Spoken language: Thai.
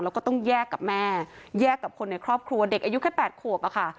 แล้วก็ต้องแยกกับแม่แยกกับคนในครอบครัวเด็กอายุแค่๘ขวบอะค่ะ